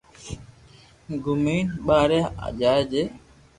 گومين ٻاري جائي جي